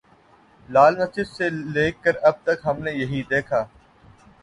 لال مسجد سے لے کر اب تک ہم نے یہی دیکھا۔